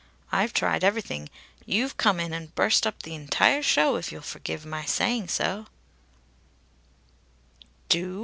I've tried everything. You've come in and burst up the entire show, if you'll forgive my saying saoh!" "Do?"